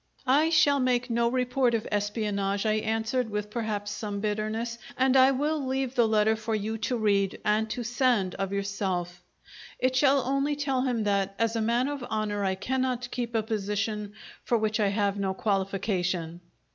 "I shall make no report of espionage," I answered, with, perhaps, some bitterness, "and I will leave the letter for you to read and to send, of yourself. It shall only tell him that as a man of honour I cannot keep a position for which I have no qualification."